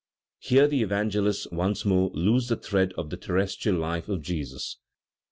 Here the Evangelists once more lose the thread of the terrestrial life of Jesus.